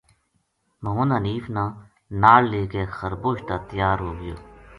محمد حنیف نا نال لے کے خربوش تا تیا ر ہو گیو